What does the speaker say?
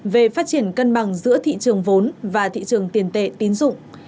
về phát triển cân bằng giữa thị trường vốn và thị trường tiền tệ tín dụng